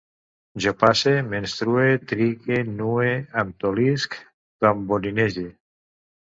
Jo passe, menstrue, trigue, nue, em tolisc, tamborinege